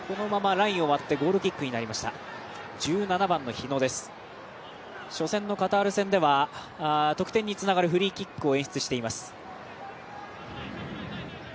日野選手、初戦のカタール戦では得点につながるフリーキックを演出しています。